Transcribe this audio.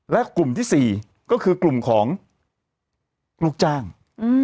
และกลุ่มที่๔ก็คือกลุ่มของลูกจ้าง